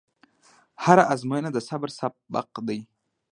هره ازموینه د صبر سبق دی.